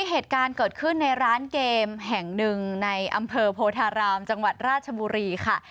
เหตุการณ์เกิดขึ้นในร้านเกมแห่งหนึ่งในอำเภอโพธารามจังหวัดราชบุรีค่ะ